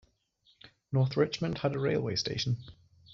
North Richmond had a railway station.